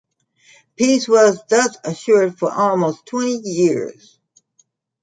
Peace was thus assured for almost twenty years.